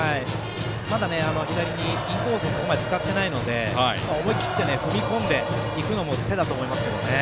まだ左にインコースをそこまで使っていないので思い切って踏み込んでいくのも手だと思います。